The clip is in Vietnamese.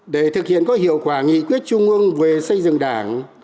để thực hiện có hiệu quả nghị quyết trung ương về xây dựng đảng